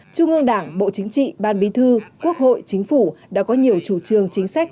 trung ương đảng bộ chính trị ban bí thư quốc hội chính phủ đã có nhiều chủ trương chính sách